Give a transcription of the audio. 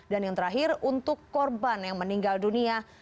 yang terakhir untuk korban yang meninggal dunia